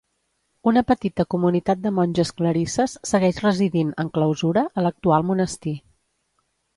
Una petita comunitat de monges clarisses segueix residint, en clausura, a l'actual monestir.